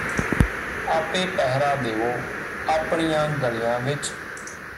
ਆਪੇ ਪਹਿਰਾ ਦੇਵੋ ਆਪਣੀਆਂ ਗਲੀਆਂ ਵਿਚ